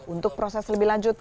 untuk proses lebih lanjut